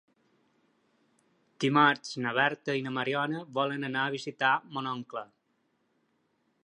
Dimarts na Berta i na Mariona volen anar a visitar mon oncle.